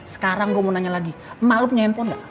sekarang gua mau nanya lagi ma lu punya handphone ga